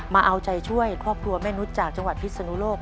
มาเอาใจช่วยครอบครัวแม่นุษย์จากจังหวัดพิศนุโลก